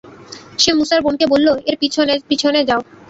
সে মূসার বোনকে বলল, এর পিছনে পিছনে যাও।